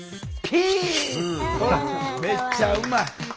ほらめっちゃうまい。